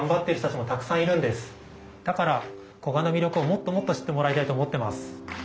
だから古河の魅力をもっともっと知ってもらいたいと思ってます。